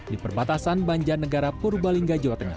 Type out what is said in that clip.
di perbatasan banjarnegara purbalingga jawa tengah